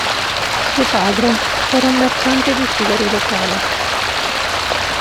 Suo padre era una mercante di sigari locale.